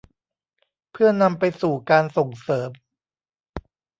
เพื่อนำไปสู่การส่งเสริม